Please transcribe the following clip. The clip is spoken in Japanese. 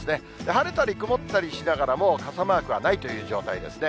晴れたり曇ったりしながらも傘マークはないという状態ですね。